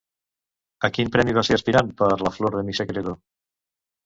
A quin premi va ser aspirant per La flor de mi secreto?